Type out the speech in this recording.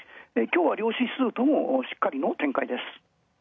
きょうは両指数ともしっかりの展開。